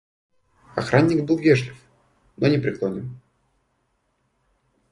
Охранник был вежлив, но непреклонен.